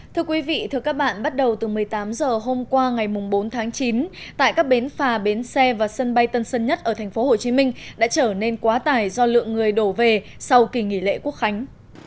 thưa quý vị thưa các bạn bắt đầu từ một mươi tám h hôm qua ngày bốn tháng chín tại các bến phà bến xe và sân bay tân sơn nhất ở tp hcm đã trở nên quá tải do lượng người đổ về sau kỳ nghỉ lễ quốc khánh